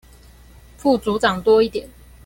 副組長多一點